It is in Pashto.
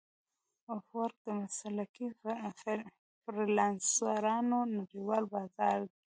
افورک د مسلکي فریلانسرانو نړیوال بازار دی.